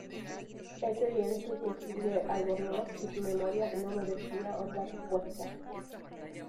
Es evidente que Gil de Albornoz y su memoria no merecía otra respuesta.